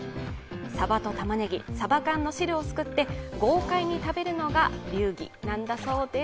サバとたまねぎ、サバ缶の汁をそすくって豪快に食べるのが流儀なんだそうです。